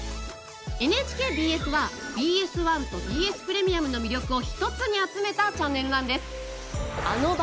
ＮＨＫＢＳはＢＳ１とＢＳプレミアムの魅力を一つに集めたチャンネルなんです。